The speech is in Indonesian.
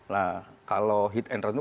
nah kalau hit and run itu